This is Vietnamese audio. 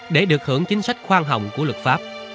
để được hưởng chính sách khoan hồng của luật pháp